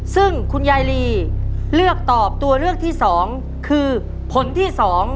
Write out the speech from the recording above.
ซึ่งคุณยายลีเลือกตอบตัวเลือกที่๒คือผลที่๒